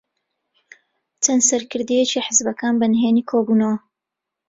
چەند سەرکردەیەکی حیزبەکان بەنهێنی کۆبوونەوە.